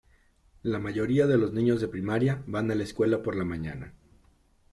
La mayoría de los niños de primaria van a la escuela por la mañana.